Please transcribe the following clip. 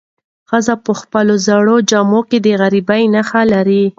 ښځې په خپلو زړو جامو کې د غریبۍ نښې لرلې.